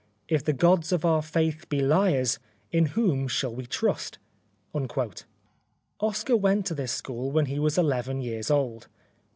If the gods of our faith be liars, in whom shall we trust ?" Oscar went to this school when he was eleven years old.